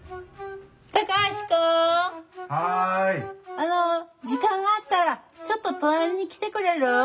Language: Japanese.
あの時間があったらちょっと隣に来てくれる？